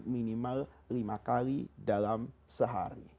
minimal lima kali dalam sehari